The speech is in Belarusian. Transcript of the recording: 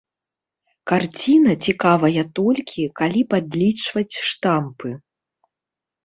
Карціна цікавая толькі, калі падлічваць штампы.